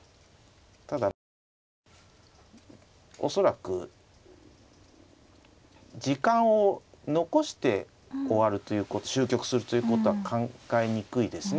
ただまあ恐らく時間を残して終局するということは考えにくいですね。